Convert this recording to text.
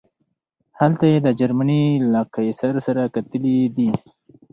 هلته یې د جرمني له قیصر سره کتلي دي.